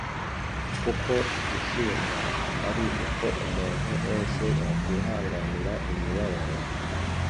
"Kuko igishimwa ari uko umuntu wese yakwihanganira imibabaro